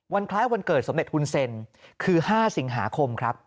คล้ายวันเกิดสมเด็จฮุนเซ็นคือ๕สิงหาคมครับ